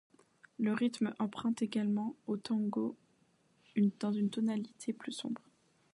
Le rythme emprunte également au tango, dans une tonalité plus sombre.